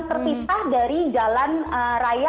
terpisah dari jalan raya